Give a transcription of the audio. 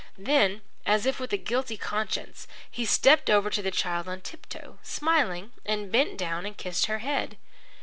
Then, as if with a guilty conscience, he stepped over to the child on tip toe, smiling, and bent down and kissed her head.